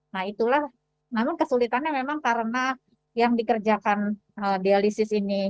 nah itulah namun kesulitannya memang karena yang dikerjakan dialisis ini